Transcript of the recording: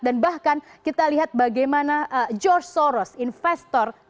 dan bahkan kita lihat bagaimana george soros investor